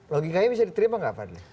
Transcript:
logikanya bisa diterima gak pak